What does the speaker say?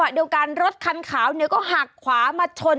เดียวกันรถคันขาวก็หักขวามาชน